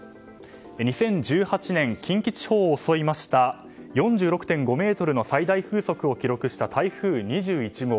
２０１８年近畿地方を襲いました４６．５メートルの最大風速を記録した台風２１号。